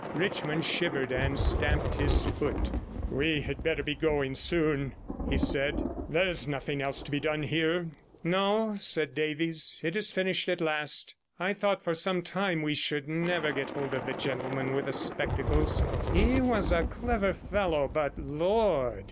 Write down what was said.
Richmond shivered and stamped his foot. 'We had better be going soon,' he said; 'there is nothing else to be done here.' 'No,' said Davies; 'it is finished at last. I thought for some time we should never get hold of the gentleman with the spectacles. He was a clever fellow, but, Lord!